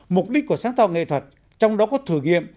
mục đích của sáng tạo nghệ thuật trong đó có thử nghiệm